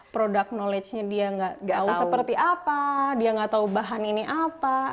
product knowledge nya dia nggak tahu seperti apa dia nggak tahu bahan ini apa